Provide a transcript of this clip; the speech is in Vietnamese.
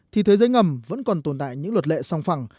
thì thế giới ngầm vẫn còn tồn tại những luật lệ song phẳng